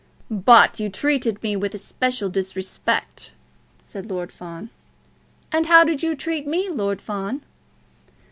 "But you treated me with especial disrespect," said Lord Fawn. "And how did you treat me, Lord Fawn?"